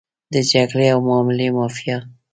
د جګړې او معاملې مافیا.